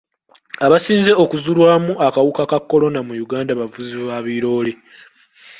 Abasinze okuzuulwamu akawuka ka kolona mu Uganda bavuzi ba biroore.